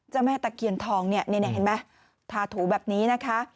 เจ้าแม่ตะเขียนทองนี่นี่เห็นไหมทาถูแบบนี้นะคะ